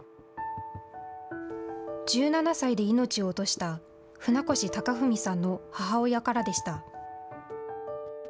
１７歳で命を落とした船越隆文さんの母親からでした。